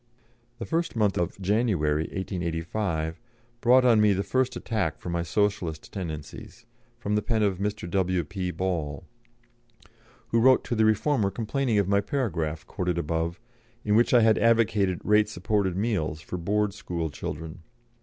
This first month of January, 1885, brought on me the first attack for my Socialistic tendencies, from the pen of Mr. W.P. Ball, who wrote to the Reformer complaining of my paragraph, quoted above, in which I had advocated rate supported meals for Board School children.